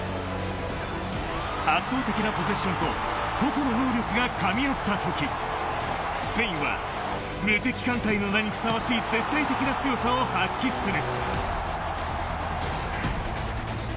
圧倒的なポゼッションと個々の能力がかみ合ったときスペインは無敵艦隊の名にふさわしい絶対的な強さを発揮する。